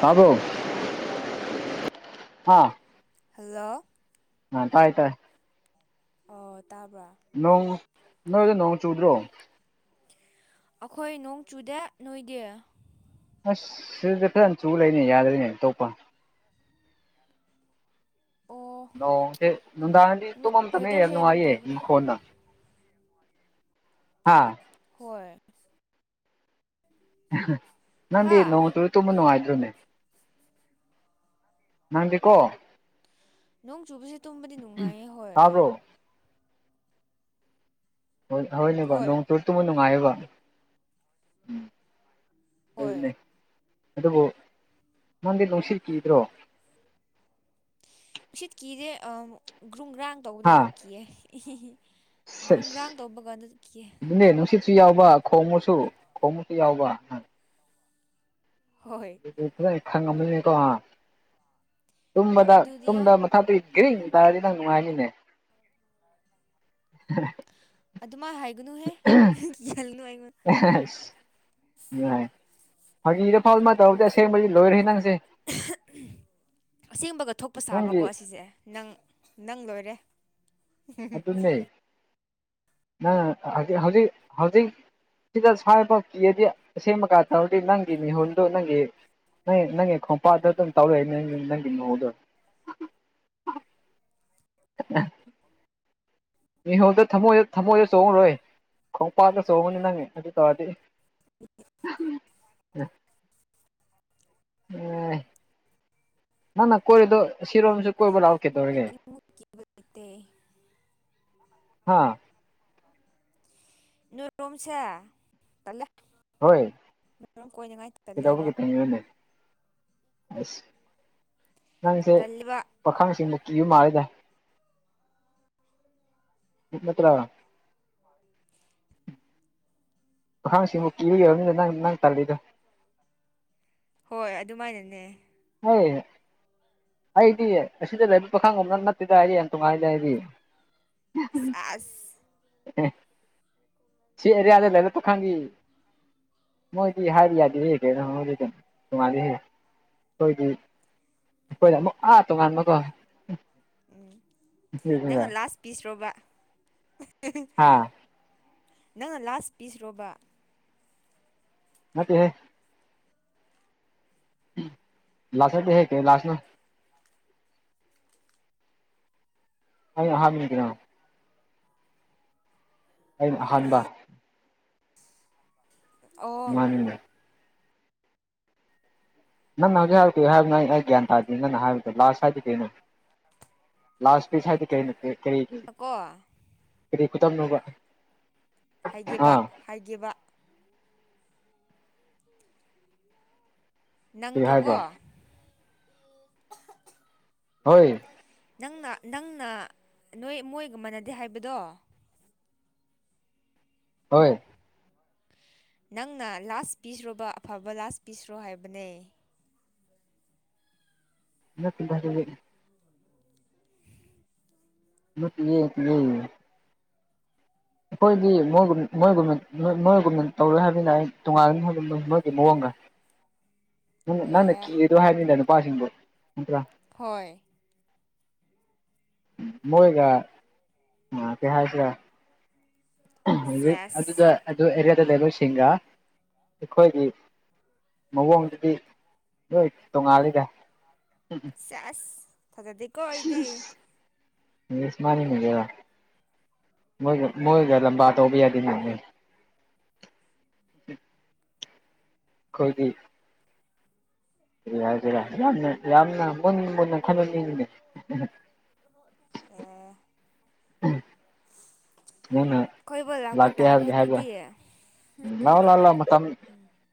ꯇꯥꯕꯔꯣ ꯍꯥꯥ ꯍꯜꯂꯣ ꯑꯥ ꯇꯥꯏ ꯇꯥꯏ ꯑꯣ ꯇꯥꯕ꯭ꯔꯥ ꯅꯣꯡ ꯅꯣꯏꯗ ꯅꯣꯡ ꯆꯨꯗ꯭ꯔꯣ ꯑꯩꯈꯣꯏ ꯅꯣꯡ ꯆꯨꯗꯦ ꯅꯣꯏꯗꯤ ꯑꯁ ꯁꯤꯗꯤ ꯐꯖꯅ ꯆꯨ ꯂꯩꯅꯤ ꯌꯥꯗꯣꯏꯔꯤꯅꯦ ꯑꯇꯣꯞꯄ ꯑꯣ ꯅꯣꯁꯦ ꯅꯨꯡꯗꯥꯡꯗꯤ ꯇꯨꯝꯃ ꯃꯇꯝ ꯌꯥꯝ ꯋꯦꯗꯔꯁꯦ ꯑꯗꯨꯝ ꯅꯨꯡꯉꯥꯏꯌꯦ ꯇꯧꯕꯅꯦ ꯏꯈꯣꯟꯅ ꯍꯥꯥ ꯍꯣꯏ ꯅꯪꯗꯤ ꯍꯥ ꯅꯣꯡ ꯆꯨꯔ ꯇꯨꯝꯕ ꯅꯨꯡꯉꯥꯏꯗ꯭ꯔꯣꯅꯦ ꯅꯪꯗꯤꯀꯣ ꯅꯣꯡ ꯆꯨꯕꯁꯦ ꯇꯨꯝꯕꯗꯤ ꯅꯨꯡꯉꯥꯏꯌꯦ ꯍꯣꯏ ꯇꯥꯕ꯭ꯔꯣ ꯍꯣꯏ ꯍꯣꯏꯅꯦꯕꯣ ꯍꯣꯏ ꯅꯣꯡ ꯇꯠꯇꯨꯃ ꯅꯨꯡꯉꯥꯏꯕ ꯎꯝ ꯍꯣꯏ ꯑꯗꯨꯅꯦ ꯑꯗꯨꯕꯨ ꯅꯪꯗꯤ ꯅꯨꯡꯁꯤꯠ ꯀꯤꯗ꯭ꯔꯣ ꯅꯨꯡꯁꯤꯠ ꯀꯤꯗꯦ ꯑ ꯒ꯭ꯔꯨꯝꯒ꯭ꯔꯥꯡ ꯇꯧꯕꯗ ꯍꯥ ꯑꯗꯨ ꯀꯤꯌꯦ ꯒ꯭ꯔꯨꯝ ꯒ꯭ꯔꯥꯡ ꯇꯧꯕ ꯀꯥꯟꯗ ꯀꯤꯌꯦ ꯏꯗꯅꯦ ꯅꯨꯡꯁꯤꯠꯁꯨ ꯌꯥꯎꯕ ꯈꯣꯡꯉꯁꯨ ꯈꯣꯡꯉꯁꯨ ꯌꯥꯎꯕ ꯍꯣꯏ ꯑꯗꯨ ꯐꯖꯅ ꯑꯩ ꯈꯪꯉꯝꯅꯤꯅꯦꯀꯣ ꯍꯣꯏ ꯇꯨꯝꯕꯗ ꯑꯗꯨꯗꯤ ꯌꯥꯝ ꯇꯨꯝꯗ [unintelligible] ꯒꯔꯤꯡ ꯇꯔꯗꯤ ꯅꯪ ꯅꯨꯡꯉꯥꯏꯅꯤꯅꯦ ꯑꯗꯨꯃꯥꯏ ꯍꯥꯏꯒꯨꯅꯨꯍꯦ ꯀꯤꯍꯥꯜꯂꯨꯅꯨ ꯑꯩꯉꯣꯟꯗ [unintelligible] ꯌꯥꯏ ꯐꯥꯒꯤꯗꯐꯥꯎ ꯑꯃ ꯇꯧꯗꯤ ꯑꯁꯦꯡꯕꯗꯤ ꯂꯣꯏꯔꯤ ꯅꯪꯁꯦ ꯑꯁꯦꯡꯕꯒ ꯊꯣꯛꯄ ꯁꯥꯕꯀꯣ ꯅꯪꯒꯤ ꯑꯁꯤꯁꯦ ꯅꯪ ꯅꯪ ꯂꯣꯏꯔꯦ ꯑꯗꯨꯅꯤ ꯅꯪ ꯍꯧꯖꯤ ꯍꯧꯖꯤꯛ ꯍꯧꯖꯤꯛ ꯁꯤꯗꯐꯥꯎ ꯀꯤꯔꯗꯤ ꯑꯁꯦꯡꯕꯀꯥꯟ ꯇꯧꯔꯗꯤ ꯅꯪꯒꯤ ꯃꯤꯍꯨꯜꯨꯣ ꯅꯪꯒꯤ ꯅꯪꯒꯤ ꯈꯣꯡꯝꯄꯥꯗꯪ ꯇꯧꯔꯛꯏ ꯅꯪ ꯅꯪꯒꯤ ꯅꯗꯣ ꯃꯤꯍꯣꯜꯗ ꯊꯃꯣꯏꯗ ꯊꯝꯃꯣꯏꯗ ꯆꯣꯡꯉꯔꯣꯏ ꯈꯣꯡꯄꯥꯛꯇ ꯆꯣꯡꯉꯒꯅꯤ ꯅꯪ ꯑꯗꯨ ꯇꯧꯔꯗꯤ [unintelligible] [unintelligible] ꯎꯝ ꯅꯪꯅ ꯀꯣꯏꯔꯤꯗꯣ ꯁꯤꯔꯣꯝꯁꯨ ꯀꯣꯏꯕ ꯂꯛꯑꯣ ꯀꯩꯇꯧꯔꯒꯦ ꯍꯥꯥ ꯅꯣꯏꯔꯣꯝꯁꯦ ꯇꯜꯂꯦ ꯍꯣꯏ ꯅꯣꯏꯔꯣꯝ ꯀꯣꯏꯅꯉꯥꯏ ꯇꯜꯂꯦꯕ ꯀꯗꯧꯕꯒꯤ [unintelligible] ꯑꯁ ꯅꯪꯁꯦ ꯇꯜꯂꯤꯕ ꯄꯥꯈꯪꯁꯤꯡꯕꯨ ꯀꯤꯕ ꯃꯥꯂꯦꯗ ꯅꯠꯇ꯭ꯔ ꯑꯈꯥꯡꯁꯤꯕꯨ ꯀꯤꯕ ꯑꯣꯏꯔꯝꯅꯤꯅ ꯅꯪ ꯅꯪ ꯇꯥꯜꯂꯤꯗꯣ ꯍꯣꯏ ꯑꯗꯨꯃꯥꯏꯅꯅꯦ ꯍꯣꯏ ꯑꯩꯗꯤ ꯑꯁꯤꯗ ꯂꯩꯕ ꯄꯥꯈꯪꯒꯣꯕꯗ ꯅꯠꯇꯦꯗ ꯑꯩꯗꯤ ꯌꯥꯝ ꯅꯨꯡꯉꯥꯏ ꯂꯩꯦ ꯑꯩꯗꯤ ꯆꯥꯁ ꯁꯤ ꯑꯦꯔꯤꯌꯥꯗ ꯂꯩꯅ ꯇ ꯈꯥꯟꯒꯤ ꯃꯣꯏꯗꯤ ꯍꯥꯏꯗꯤ ꯌꯥꯗꯤ ꯍꯦꯛ ꯀꯣꯏꯗꯤ ꯀꯩꯅꯣ ꯇꯣꯡꯉꯂ ꯍꯦ ꯍꯣꯏꯒꯤ ꯀꯣꯏꯅꯥ ꯑꯃꯨꯛ ꯑꯥ ꯇꯣꯉꯥꯟ ꯃꯒꯣ ꯅꯪꯅ ꯂꯥꯁ ꯄꯤꯁ ꯔꯣꯕ ꯍꯥꯥ ꯅꯪꯅ ꯂꯥꯁ ꯄꯤꯁ ꯔꯣꯕ ꯅꯠꯇꯦ ꯍꯦ ꯂꯥꯁ ꯅꯠꯇꯦ ꯍꯦ ꯀꯩ ꯂꯥꯁꯅ ꯑꯅꯥ ꯍꯥꯝꯗ꯭ꯔꯣ ꯑꯅꯥ ꯑꯍꯥꯟꯕ ꯑꯣ ꯃꯥꯅꯤꯅꯥ ꯅꯪ ꯍꯧꯖꯤꯛ ꯍꯧꯛꯤ ꯍꯥꯏꯕ ꯅ ꯑꯩ ꯒ꯭ꯌꯥꯟ ꯇꯥꯗꯦ ꯅꯪ ꯍꯥꯏꯕꯗꯤ ꯂꯥꯁ ꯍꯥꯏꯗꯤ ꯀꯩꯅꯣ ꯂꯥꯁ ꯞꯤꯁ ꯍꯥꯏꯗꯤ ꯀꯔꯤ ꯅꯠꯇꯦ ꯀꯔꯤꯒꯤ ꯑꯥꯀꯣ ꯀꯔꯤ ꯈꯨꯗꯝ ꯅꯣꯕ ꯍꯥꯏꯒꯦꯕ ꯍꯥꯏꯒꯦꯕ ꯅꯪ ꯀꯔꯤ ꯗꯣꯀꯣ ꯍꯥꯏꯕ ꯍꯣꯏ ꯅꯪꯅ ꯅꯪꯅ ꯅꯣꯏ ꯃꯣꯏꯒ ꯃꯥꯅꯗꯦ ꯍꯥꯏꯕꯗꯣ ꯍꯣꯏ ꯅꯪꯅ ꯂꯥꯁ ꯄꯤꯁꯔꯣꯕꯥ ꯑꯐꯕ ꯂꯥꯁ ꯄꯤꯁꯔꯣ ꯍꯥꯏꯕꯅꯦ ꯅꯠꯇꯦꯗꯥ ꯑꯗꯨꯗꯤ ꯅꯠꯇꯤꯌꯦ ꯅꯠꯇꯤꯌꯦ ꯑꯩꯈꯣꯏꯗꯤ ꯃꯣꯏꯒꯨꯝ ꯃꯣꯏꯒꯨꯝꯅꯣꯏ ꯃꯣꯏꯒꯨꯝꯅ ꯇꯧꯔꯣꯏ ꯍꯥꯏꯕꯅꯤꯅ ꯑꯩ ꯇꯣꯉꯥꯟꯒꯅꯤ ꯍꯥꯏꯕ ꯃꯣꯏꯒꯤ ꯃꯑꯣꯡꯒꯥ ꯅꯪꯅ ꯑꯦ ꯀꯤꯔꯤꯗꯣ ꯍꯥꯏꯅꯤꯗ ꯅꯨꯄꯥꯁꯤꯡꯕꯨꯣ ꯅꯠꯇ꯭ꯔꯥ ꯍꯣꯏ ꯃꯣꯏꯒ ꯑꯥ ꯀꯩ ꯍꯥꯏꯁꯦꯔꯥ ꯍꯧꯖꯤꯛ ꯆꯦꯁ ꯑꯗꯨꯗ ꯑꯗꯨ ꯑꯦꯔꯤꯌꯥꯗ ꯂꯩꯕ ꯁꯤꯡꯒ ꯑꯩꯈꯣꯏꯒꯤ ꯃꯑꯣꯡꯗꯨꯗꯤ ꯅꯣꯏ ꯇꯣꯉꯥꯜꯂꯤꯗ ꯎꯝ ꯎꯝ ꯆꯥꯁ ꯊꯖꯗꯤ [unintelligible] ꯃꯥꯅꯤꯅꯤ ꯕꯥꯌꯥ ꯃꯣꯏꯒ ꯃꯣꯏꯒ ꯂꯝꯕꯥ ꯇꯧꯕ ꯌꯥꯗꯦ ꯅꯅꯦ ꯈꯣꯏꯗꯤ ꯀꯔꯤ ꯍꯥꯏꯖꯤꯔꯥ ꯌꯥꯝꯅ ꯌꯥꯝꯅ ꯃꯨꯟꯅ ꯃꯨꯟꯅ ꯈꯟꯍꯟꯅꯤꯡꯉꯤꯅꯦ ꯑꯦ [unintelligible] ꯋꯨꯅ ꯈꯣꯏꯕꯨ ꯂꯥꯛꯄ ꯇꯥꯔꯦ ꯑꯗꯨꯗꯤ ꯂꯥꯎ ꯂꯥꯎ ꯂꯥꯎ ꯃꯇꯝ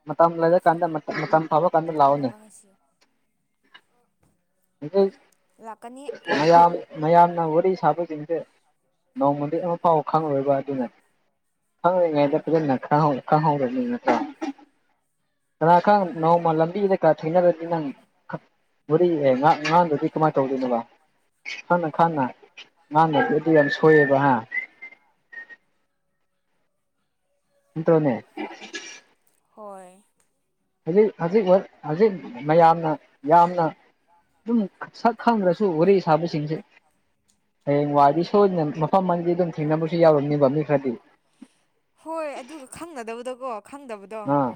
ꯃꯇꯝ ꯂꯩꯔ ꯀꯥꯟꯗ ꯃꯇꯝ ꯃꯇꯝ ꯐꯕ ꯇꯝꯗ ꯂꯥꯎꯑꯣꯅꯦ ꯀꯕꯀꯥ ꯉꯁꯤ ꯂꯥꯛꯀꯅꯤ [unintelligible] ꯃꯌꯥꯝ ꯃꯌꯥꯝꯅ ꯋꯥꯔꯤ ꯁꯥꯕꯁꯤꯡꯖꯦ ꯅꯣꯡꯃꯗꯤ ꯑꯃ ꯐꯥꯎ ꯈꯪꯉꯔꯣꯏꯕ ꯑꯗꯨꯅ ꯈꯪꯔꯤꯉꯩꯗ ꯐꯖꯅ ꯈꯥꯍꯧ ꯈꯪꯍꯧꯔꯕꯅꯤ ꯅꯠꯇ꯭ꯔꯥ ꯀꯅꯥꯈꯪ ꯅꯣꯡꯃ ꯂꯝꯕꯤꯗꯀꯥ ꯊꯦꯡꯅꯔꯗꯤ ꯅꯪ ꯈꯠ ꯋꯥꯔꯤ ꯑꯦ ꯉꯥꯡ ꯉꯥꯡꯗꯗꯤ ꯀꯃꯥꯏ ꯇꯧꯗꯣꯏꯅꯣꯕ ꯈꯪꯅ ꯈꯟꯅ ꯉꯥꯟꯗꯞꯗꯨꯗꯤ ꯌꯥꯝ ꯁꯣꯏꯌꯦꯕ ꯍꯥ ꯏꯪꯇꯣꯅꯦ ꯍꯣꯏ ꯍꯧꯖꯤꯛ ꯍꯧꯖꯤꯛ ꯍꯧ ꯍꯧꯖꯤꯛ ꯃꯌꯥꯝꯅ ꯌꯥꯝꯅ ꯗꯨꯝ ꯁꯛ ꯈꯪꯗ꯭ꯔꯁꯨ ꯋꯥꯔꯤ ꯁꯥꯕꯁꯤꯡꯁꯦ ꯍꯌꯦꯡ ꯋꯥꯏꯗꯤ ꯁꯣꯏꯗꯅ ꯃꯐꯝ ꯑꯃꯗꯤ ꯑꯗꯨꯝ ꯊꯦꯡꯅꯕꯁꯨ ꯌꯥꯎꯔꯝꯅꯦꯕ ꯃꯤ ꯈꯔꯗꯤ ꯍꯣꯏ ꯑꯗꯨꯒ ꯈꯪꯅꯗꯕꯗꯀꯣ ꯈꯪꯗꯕꯗꯣ ꯑꯥ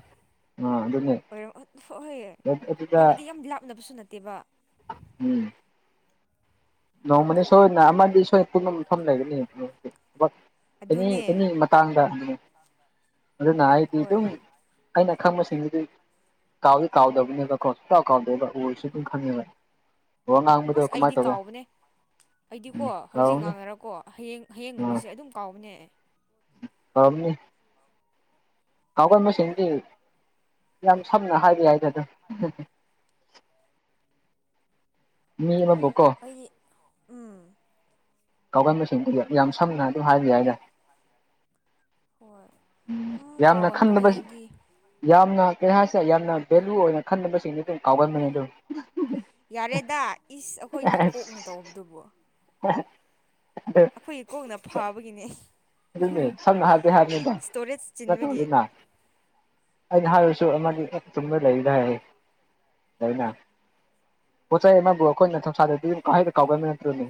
ꯑꯣꯏꯔꯝ ꯑꯥ ꯍꯣꯏꯍꯣꯏꯌꯦ ꯂꯦꯞꯄꯗꯨꯗ ꯗꯤ ꯌꯥꯝ ꯂꯥꯞꯅꯕꯁꯨ ꯅꯠꯇꯦꯕ ꯎꯝ ꯅꯣꯡꯃꯅꯤ ꯁꯣꯏꯗꯅ ꯑꯃꯗꯤ ꯑꯩꯈꯣꯏ ꯄꯨꯨꯝꯅ ꯃꯐꯝ ꯂꯩꯒꯅꯤ [unintelligible] ꯑꯦꯅꯤ ꯑꯗꯨꯅꯦ ꯑꯦꯅꯤ ꯃꯇꯥꯡꯗ ꯑꯗꯨꯅ ꯑꯩꯗꯤ ꯍꯣꯏ ꯑꯗꯨꯝ ꯑꯩꯅ ꯈꯪꯕꯁꯤꯡꯗꯨꯗꯤ ꯀꯥꯎꯗꯤ ꯀꯥꯎꯗꯕ ꯗ ꯀꯣ ꯀꯥꯎ ꯀꯥꯎꯗꯕ ꯎꯑꯣꯏꯁꯨ ꯗꯨꯝ ꯈꯪꯉꯦꯕ ꯋꯥ ꯉꯥꯡꯕꯗꯣ ꯑꯁ ꯑꯩꯗꯤ ꯀꯃꯥꯏꯅ ꯇꯧꯒꯦ ꯀꯥꯎꯕꯅꯦ ꯑꯩꯗꯤꯀꯣ ꯎꯝ ꯍꯧꯖꯤꯛ ꯀꯥꯎꯔꯝꯅꯤ ꯉꯥꯡꯅꯔꯀꯣ ꯍꯌꯦꯡ ꯍꯌꯦꯡꯒꯨꯝꯕꯁꯦ ꯑꯗꯨꯝ ꯀꯥꯎꯕꯅꯦ ꯑꯝꯅꯤ ꯀꯥꯎꯒꯟꯕ ꯁꯤꯡꯗꯤ ꯌꯥꯝ ꯁꯝꯅ ꯍꯥꯏꯕ ꯌꯥꯏꯗ ꯑꯗꯨꯝ ꯃꯤꯅꯕꯣꯛꯀꯣ ꯑꯩ ꯎꯝ ꯀꯥꯎꯒꯟꯕꯁꯤꯡꯗꯨꯗꯤ ꯌꯥꯝ ꯁꯝꯅ ꯑꯗꯨ ꯍꯥꯏꯕ ꯌꯥꯏꯅ ꯍꯣꯏ ꯎꯝ ꯌꯥꯝꯅ ꯀꯥꯎꯒꯟꯕꯅꯦ ꯈꯟꯕꯕꯖꯤ ꯑꯩꯗꯤ ꯌꯥꯝꯅ ꯀꯩ ꯍꯥꯏꯁꯦ ꯌꯥꯝꯅ ꯚꯦꯂꯨ ꯑꯣꯏꯅ ꯈꯟꯅꯕꯁꯤꯡꯗꯨ ꯑꯗꯨꯝ ꯀꯥꯎꯒꯟꯕꯅꯦ ꯑꯗꯨ ꯌꯥꯔꯦꯗ ꯏꯁ ꯑꯩꯈꯣꯏꯒꯤ ꯀꯣꯛꯅ ꯇꯧꯕꯗꯨꯕꯨ ꯍ [unintelligible] ꯑꯩꯈꯣꯏ ꯀꯣꯛꯅ ꯐꯥꯕꯒꯤꯅꯦ ꯑꯗꯨꯅꯦ ꯁꯝꯅ ꯍꯥꯏꯕꯗꯤ ꯍꯥꯏꯕꯅꯤꯗ ꯏꯁꯇꯣꯔꯦꯖ ꯆꯤꯟꯕꯒꯤ ꯌꯥꯇꯣꯟꯁꯨ ꯅꯥꯏ ꯑꯩꯅ ꯍꯥꯏꯔꯁꯨ ꯑꯃꯗꯤ ꯇꯨꯝꯕ ꯂꯩꯗ ꯍꯥꯏ ꯑꯗꯨꯅ ꯄꯣꯠ ꯆꯩ ꯑꯃꯕꯨ ꯑꯩꯈꯣꯏꯅ ꯊꯧꯁꯥꯗꯗꯤ ꯀꯥꯏꯗ ꯀꯥꯎꯒꯟꯕ ꯅꯠꯇ꯭ꯔꯣꯅꯦ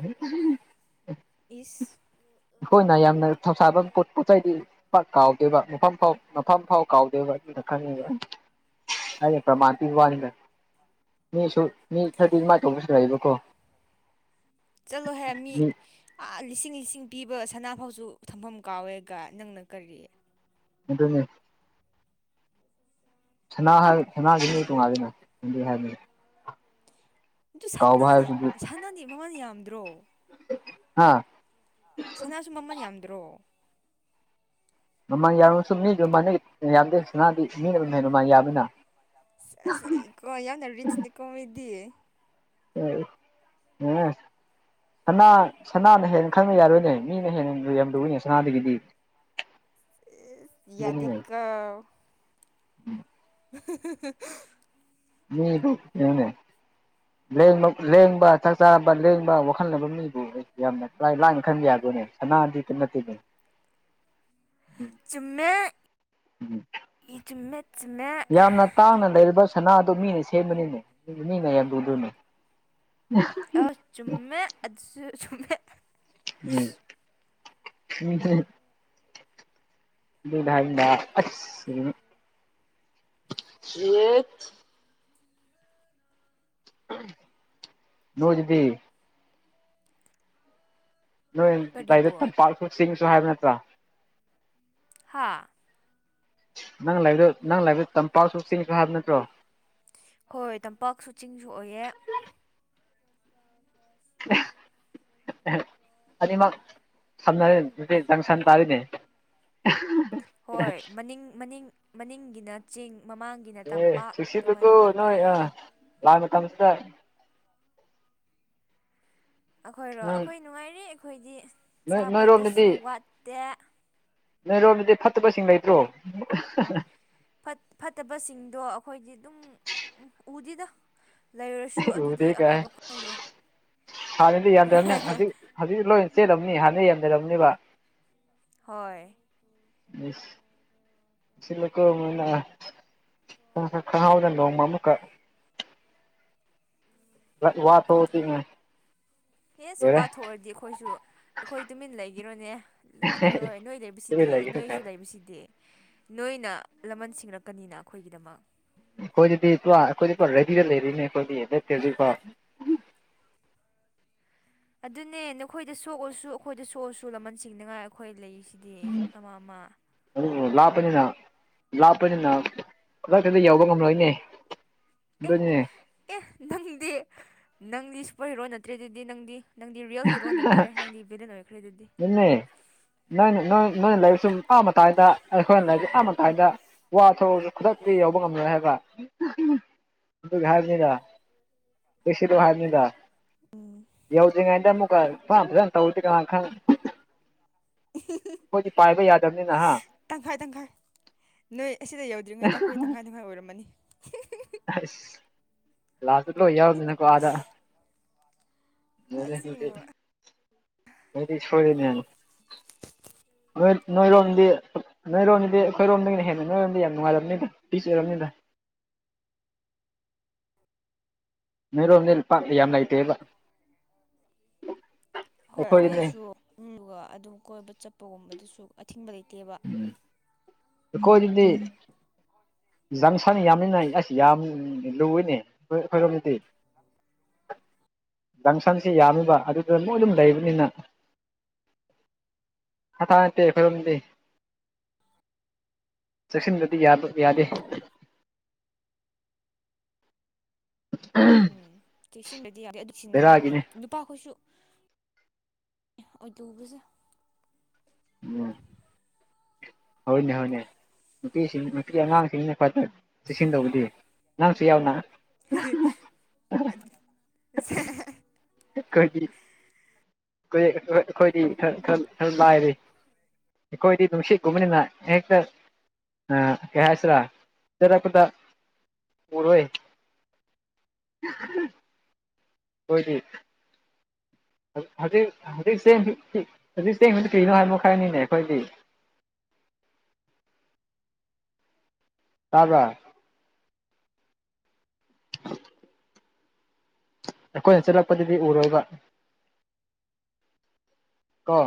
ꯏꯁ [unintelligible] ꯍꯣꯏꯅ ꯌꯥꯝꯅ ꯊꯧꯁꯥꯕꯝ ꯄꯣꯠ ꯄꯣꯠ ꯆꯩꯗꯤ ꯄꯥꯛ ꯀꯥꯎꯗꯦꯕ ꯃꯐꯝ ꯐꯥꯎ ꯃꯐꯝ ꯐꯥꯎ ꯀꯥꯎꯗꯦꯕ ꯑꯗꯨꯅ ꯈꯪꯉꯤꯕ ꯍꯥꯏꯌꯦ ꯄ꯭ꯔꯃꯥꯟ ꯄꯤ ꯋꯥꯅꯤꯗ ꯃꯤꯁꯨ ꯃꯤ ꯈꯔꯗꯤ ꯑꯃꯥꯏ ꯇꯧꯕꯁꯨ ꯂꯩꯕ ꯆꯂꯣ ꯍꯦ ꯃꯤ ꯑꯥ ꯂꯤꯁꯤꯡ ꯂꯤꯁꯤꯡ ꯄꯤꯕ ꯁꯅꯥ ꯐꯥꯎꯁꯨ ꯊꯝꯐꯝ ꯀꯥꯎꯋꯦꯒ ꯅꯪꯅ ꯀꯔꯤ ꯑꯗꯨꯅꯦ ꯁꯅꯥꯍꯜ ꯁꯅꯥꯒꯤ ꯇꯣꯡꯉꯥꯜꯂꯤꯅ ꯑꯗꯨꯏ ꯍꯥꯏꯕꯅꯤ ꯑꯗꯨ ꯀꯥꯎꯕ ꯁꯅꯥꯅ ꯍꯥꯏꯕꯁꯤꯗꯤ ꯁꯅꯥꯗꯤ ꯃꯃꯜ ꯌꯥꯝꯗ꯭ꯔꯣ ꯍꯥ ꯁꯅꯥꯁꯨ ꯃꯃꯜ ꯌꯥꯝꯗ꯭ꯔꯣ ꯃꯃꯥꯡ ꯌꯥꯔꯃꯁꯨ ꯃꯤꯁꯨ ꯃꯅ ꯌꯥꯝꯗꯦꯅꯥꯗꯤ ꯃꯤꯅ ꯑꯗꯨꯝꯅꯦ ꯃꯃꯥꯡ ꯌꯥꯕꯅꯤꯅ ꯑꯁꯣ ꯌꯥꯝꯅ ꯔꯤꯆꯅꯦ ꯀꯣꯃꯤꯗꯤꯌꯦ ꯎ ꯎꯝ ꯁꯅꯥ ꯁꯅꯥꯅ ꯍꯦꯟꯅ ꯈꯪꯕ ꯌꯥꯔꯣꯏꯅꯦ ꯃꯤꯅ ꯍꯦꯟꯅ ꯌꯥꯝ ꯂꯨꯏꯅꯦ ꯁꯅꯥꯗꯒꯤꯗꯤ [unintelligible] ꯑꯗꯨꯅꯤꯅꯦ ꯌꯥꯀ [unintelligible] ꯃꯤ ꯏꯅꯦ ꯦꯡ ꯂꯦꯡꯕ ꯆꯥꯛ ꯆꯥꯕ ꯂꯦꯡꯕ ꯋꯥꯈꯜꯅꯕ ꯃꯤꯕꯨ ꯌꯥꯝꯅ ꯂꯥꯏ ꯂꯥꯏꯅ ꯈꯟꯕꯦꯗꯅꯦ ꯁꯅꯥꯗꯤ ꯅꯠꯇꯦꯅꯦ ꯨꯝꯃꯦ ꯎꯝ ꯆꯨꯝꯃꯦ ꯆ ꯃ ꯌꯥꯝꯅ ꯇꯥꯡꯅ ꯂꯩꯔꯤꯕ ꯁꯅꯥꯗꯣ ꯃꯤꯅ ꯁꯦꯝꯕꯅꯤꯅꯦ ꯃꯤꯅ ꯌꯥꯝ ꯂꯨꯗꯣꯏꯅꯦ ꯎ ꯑ ꯆꯨꯝꯃꯦꯁꯨ ꯆꯨꯝꯃꯦ ꯎꯝ ꯎꯝ ꯕꯤꯗ ꯌꯦꯠ ꯅ ꯑꯗꯨꯗꯤ ꯅꯣꯏ ꯂꯗꯥꯏꯗ ꯀꯔꯤꯕꯣ ꯇꯝꯄꯥꯛꯁꯨ ꯆꯤꯡꯁꯨ ꯍꯥꯏꯕ ꯅꯠꯇ꯭ꯔꯥ ꯍꯥꯥ ꯅꯪ ꯂꯕꯗꯣ ꯅꯪ ꯂꯥꯏꯕꯗ ꯇꯝꯄꯥꯛꯁꯨ ꯆꯤꯡ ꯍꯥꯏꯕ ꯅꯠꯇ꯭ꯔꯣ ꯍꯣꯏ ꯍꯣꯏ ꯇꯝꯄꯥꯛꯁꯨ ꯆꯤꯡꯁꯨ ꯑꯣꯏꯑꯦ ꯑꯗꯨꯃ ꯁꯝꯅꯔ ꯅꯨ ꯖꯪꯁꯟ ꯇꯥꯔꯤꯅꯦ ꯍꯣꯏ ꯃꯅꯤꯡ ꯃꯅꯤꯡ ꯃꯅꯤꯡꯒꯤꯅ ꯆꯦꯡ ꯃꯃꯥꯡ ꯑꯦ ꯁꯁꯤꯂꯛꯇ ꯅꯣꯏ ꯑ ꯂꯥꯟ ꯇꯝꯁꯗ ꯑꯩꯈꯣꯏꯔꯣ ꯅꯪ ꯑꯩꯈꯣꯏ ꯅꯨꯡꯉꯥꯏꯔꯤ ꯑꯩꯈꯣꯏꯗꯤ ꯅꯣꯏ ꯆꯥꯕꯗꯁꯨ ꯅꯣꯏꯔꯣꯝꯗꯗꯤ ꯋꯥꯠꯇꯦ ꯅꯣꯏꯔꯣꯝꯗꯗꯤ ꯐꯠꯇꯕꯁꯤꯡ ꯂꯩꯇ꯭ꯔꯣ ꯐꯠꯇꯕꯁꯤꯡꯗꯣ ꯑꯩꯈꯣꯏꯗꯤ ꯑꯗꯨꯝ ꯎꯗꯦꯗ ꯂꯩꯔꯨꯔꯁꯨ ꯑꯗꯨꯗꯤ ꯎꯗꯦ ꯀꯥꯏ ꯑꯐꯕ ꯈꯪ ꯑꯣꯏꯅꯦ ꯍꯥꯟꯅꯗꯤ ꯌꯥꯝꯗꯕꯅꯤ ꯍꯧꯖꯤꯛ ꯍꯧꯖꯤꯛ ꯂꯣꯏ ꯆꯦꯜꯠꯂꯝꯅꯤ ꯍꯥꯟꯅ ꯌꯦꯟ ꯂꯩꯔꯕꯅꯦꯕ ꯍꯣꯏ ꯑꯁ ꯁꯤꯂꯀꯅ ꯈꯪꯍꯥꯎꯗꯅ ꯅꯣꯡꯃ ꯑꯃꯨꯛꯀꯛ ꯋꯥ ꯊꯣꯇ ꯑꯦ ꯁꯨ ꯋꯥ ꯊꯣꯛꯑꯗꯤ ꯑꯩꯈꯣꯏꯁꯨ ꯑꯩꯈꯣꯏ ꯇꯨꯃꯤꯟ ꯂꯩꯈꯤꯔꯣꯅꯦ ꯂꯨꯃꯤꯠ ꯂꯩꯔꯣꯏ ꯅꯣꯏ ꯇꯨꯃꯤꯟ ꯂꯩꯕꯁꯤꯗꯤ ꯂꯩꯒꯅꯤ ꯅꯣꯏꯁꯨ ꯀꯥꯏ ꯂꯩꯕꯁꯤꯗꯤ ꯅꯣꯏꯅ ꯂꯃꯟ ꯁꯤꯡꯔꯛꯀꯅꯤꯅ ꯑꯩꯈꯣꯏꯒꯤꯗꯃꯛ ꯑꯩꯈꯣꯏꯗꯗꯤ ꯄꯨ ꯑꯩꯈꯣꯏꯗꯤ ꯄꯨ ꯔꯦꯗꯤꯗ ꯂꯩꯔꯤꯅꯦ ꯑꯩꯈꯣꯏꯗꯤ ꯂꯩꯠꯇꯦꯗꯤꯀꯣ ꯑꯗꯨꯅꯦ ꯅꯈꯣꯏꯗ ꯁꯣꯛꯑꯁꯨ ꯑꯩꯈꯣꯏꯗ ꯁꯣꯛꯑꯁꯨ ꯂꯃꯟ ꯁꯤꯡꯅꯉꯥꯏ ꯑꯩꯈꯣꯏ ꯂꯩꯁꯤꯗꯤ ꯑꯃ ꯑꯃ ꯂꯥꯄꯅꯤꯅ ꯂꯥꯞꯄꯅꯤꯅ ꯈꯨꯗꯛꯇꯗ ꯌꯥꯕ ꯉꯝꯂꯣꯏꯅꯦ ꯑꯦ ꯑꯗꯨꯗꯣꯏꯅꯤꯅꯦ ꯑꯦ ꯅꯪꯗꯤ ꯅꯪꯗꯤ ꯁꯨꯄꯔ ꯍꯤꯔꯣ ꯅꯠꯇ꯭ꯔꯦ ꯑꯗꯨꯗꯤ ꯅꯪꯗꯤ ꯅꯪꯗꯤ ꯔꯤꯌꯦꯜ ꯍꯤꯔꯣ ꯅꯠꯇ꯭ꯔꯦ ꯅꯪꯗꯤ ꯕꯤꯂꯤꯟ ꯑꯣꯏꯈ꯭ꯔꯦ ꯑꯗꯨꯗꯤ ꯅꯣꯏ ꯅ ꯅꯣꯏꯅ ꯂꯩꯕꯁꯨ ꯃꯄꯥ ꯃꯇꯥꯏꯗ ꯑꯩꯈꯣꯏꯅ ꯂꯩ ꯍꯥꯏꯗ ꯋꯥꯊꯑꯁꯨ ꯈꯨꯗꯛꯇꯤ ꯌꯥꯎꯧꯕ ꯉꯝꯂꯣꯏ ꯍꯥꯏꯕ [inaudible] ꯀꯁꯤꯗ ꯍꯥꯏꯅꯤꯗ [inaudible] ꯗꯔꯤꯉꯩꯗ ꯑꯃꯨꯛꯀꯥ [unintelligible] ꯇꯧꯕꯁꯨ ꯀꯅꯥ ꯈꯪ ꯑꯩꯈꯣꯏꯗꯤ ꯄꯥꯏꯕ ꯌꯥꯗꯕꯅꯤꯅ ꯍꯥ ꯇꯪꯈꯥꯏ ꯇꯪꯈꯥꯏ ꯅꯣꯏ ꯑꯁꯤꯗ ꯌꯧꯗ꯭ꯔꯤꯉꯩꯗ ꯑꯩꯈꯣꯏ ꯇꯪꯈꯥꯏ ꯇꯪꯈꯥꯏ ꯑꯣꯏꯔꯝꯃꯅꯤ ꯑꯁ ꯂꯥꯁꯇ ꯂꯣꯏ ꯌꯥꯎꯗꯅꯀꯣ ꯑꯥꯗ ꯂꯣꯏꯔꯦ ꯑꯁ ꯑꯗꯨꯗꯤ ꯌꯦꯡꯉꯣ ꯅꯣꯏꯗꯤ ꯁꯣꯏꯔꯣꯏꯅꯦ ꯅꯣꯏ ꯅꯣꯏꯔꯣꯝꯗꯤ ꯅꯣꯏꯔꯣꯝꯗꯤ ꯑꯩꯈꯣꯏꯔꯣꯝꯗꯒꯤꯅ ꯍꯦꯟꯅ ꯅꯣꯏꯔꯣꯝꯗꯤ ꯌꯥꯝ ꯅꯨꯡꯉꯥꯏꯔꯕꯅꯤꯗ ꯄꯤꯁ ꯑꯣꯏꯔꯕꯅꯤꯗꯅ ꯅꯣꯏꯔꯣꯝꯗꯤ ꯄꯥꯛ ꯌꯥꯝ ꯂꯩꯇꯦꯕ ꯍꯣꯏ ꯑꯩꯈꯣꯏꯗꯤꯅꯦ ꯑꯩꯈꯣꯏꯒꯤꯁꯨ ꯑꯗꯨꯒ ꯑꯗꯨꯝ ꯀꯣꯏꯕ ꯆꯠꯄꯒꯨꯝꯕꯗꯨꯁꯨ ꯑꯊꯤꯡꯕ ꯂꯩꯇꯦꯕ ꯎꯝ ꯑꯩꯈꯣꯏꯗꯗꯤ ꯍꯣꯏ ꯖꯪꯁꯟ ꯌꯥꯝꯃꯤꯅ ꯑꯁ ꯌꯥꯝ ꯂꯨꯏꯅꯦ ꯑꯩꯈꯣꯏ ꯑꯩꯈꯣꯏꯔꯣꯝꯗꯗꯤ ꯖꯪꯁꯟꯁꯦ ꯌꯥꯝꯃꯤꯕ ꯑꯗꯨꯗ ꯃꯣꯏ ꯑꯗꯨꯝ ꯂꯩꯕꯅꯤꯅ ꯊꯥꯊꯥ ꯅꯠꯇꯦ ꯑꯩꯈꯣꯏꯔꯣꯝꯗꯤ ꯆꯦꯛꯁꯤꯟꯕꯗꯤ ꯌꯥꯕꯨ ꯌꯥꯗꯦ ꯎꯝ ꯆꯦꯛꯁꯤꯟꯕꯗꯤ ꯌꯥ ꯑꯗꯨ ꯁꯤꯟꯅꯤꯡꯉꯥꯏꯅꯦ ꯕꯦꯔꯥꯒꯤꯅꯤ ꯅꯨꯄꯥꯈꯣꯏꯁꯨ ꯑꯣꯏꯗꯧꯕꯁꯦ ꯎꯝ ꯍꯣꯏꯅꯦ ꯍꯣꯏꯅꯦ ꯅꯨꯄꯤꯁꯤꯡ ꯅꯨꯄꯤ ꯑꯉꯥꯡꯁꯤꯡꯅ ꯈꯋꯥꯗ ꯆꯦꯛꯁꯤꯟ ꯇꯧꯕꯗꯤ ꯅꯪꯁꯨ ꯌꯥꯎꯅ ꯑꯗꯨ [unintelligible] ꯑꯩꯈꯣꯏ ꯑꯩꯈꯣꯏ ꯑꯩꯈꯣꯏꯗꯤ ꯈꯔ ꯈꯔ ꯈꯔ ꯂꯥꯏꯔꯦ ꯏꯈꯣꯏꯗꯤ ꯅꯨꯡꯁꯤ ꯀꯨꯝꯕꯅꯤꯅ ꯍ‌ꯦꯛꯇ ꯑꯥ ꯀꯩ ꯍꯥꯏꯁꯤꯔꯥ ꯆꯠꯔꯄꯗ ꯎꯔꯣꯏ [unintelligible] ꯍꯣꯏꯗꯤ ꯍꯧꯖꯤꯛ ꯍꯧꯖꯤꯛ ꯆꯦꯡ ꯍꯧꯖꯤꯛ [unintelligible] ꯀꯩꯅꯣ ꯍꯥꯏꯕ ꯈꯔꯅꯤꯅꯦ ꯑꯩꯈꯣꯏꯗꯤ ꯇꯥꯕꯔꯥ ꯑꯩꯈꯣꯏꯅ ꯆꯠꯂꯛꯄꯗꯗꯤ ꯎꯔꯣꯏꯕ ꯀꯣ